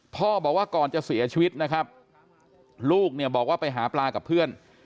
พ่อบอกว่าก่อนจะเสียชีวิตนะครับลูกเนี่ยบอกว่าไปหาปลากับเพื่อน